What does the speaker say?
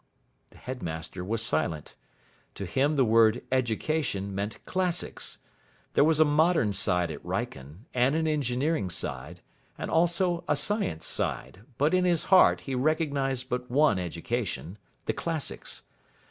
The headmaster was silent. To him the word "Education" meant Classics. There was a Modern side at Wrykyn, and an Engineering side, and also a Science side; but in his heart he recognised but one Education the Classics.